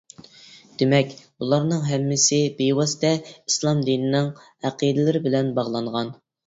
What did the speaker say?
دېمەك، بۇلارنىڭ ھەممىسى بىۋاسىتە ئىسلام دىنىنىڭ ئەقىدىلىرى بىلەن باغلانغان.